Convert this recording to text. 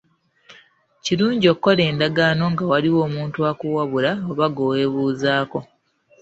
Kirungi okukola endagaano nga waliwo omuntu akuwabula oba gwe weebuuzaako.